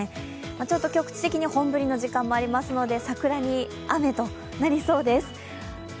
ちょっと局地的に本降りの時間もありますので桜に雨となりそうです。